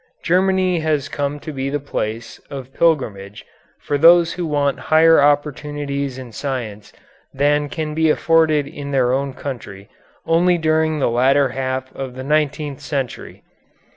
Germany has come to be the place of pilgrimage for those who want higher opportunities in science than can be afforded in their own country only during the latter half of the nineteenth century.